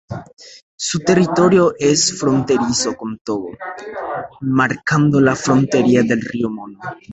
Su territorio es fronterizo con Togo, marcando la frontera el río Mono.